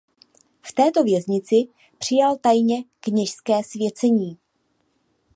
V této věznici přijal tajně kněžské svěcení.